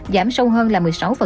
giảm sâu hơn là một mươi